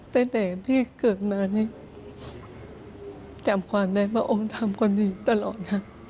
ตั้งแต่พี่เกิดมาจำความได้พระองค์ทางความดีตลอด